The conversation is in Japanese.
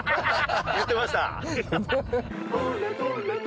言ってました？